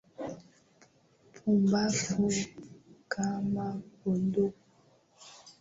Pumbafu kama kondoo.